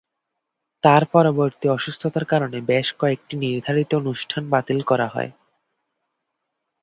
তার পরবর্তী অসুস্থতার কারণে বেশ কয়েকটি নির্ধারিত অনুষ্ঠান বাতিল করা হয়।